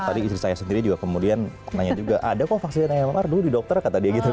tadi istri saya sendiri juga kemudian nanya juga ada kok vaksin mr dulu di dokter kata dia gitu